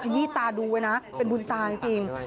ยี้ตาดูไว้นะเป็นบุญตาจริง